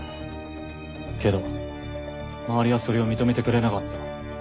けど周りはそれを認めてくれなかった。